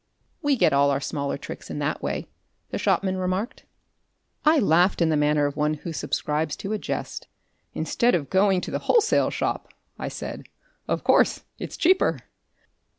"We get all our smaller tricks in that way," the shopman remarked. I laughed in the manner of one who subscribes to a jest. "Instead of going to the wholesale shop," I said. "Of course, it's cheaper."